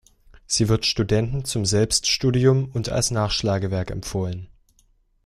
Sie wird Studenten zum Selbststudium und als Nachschlagewerk empfohlen.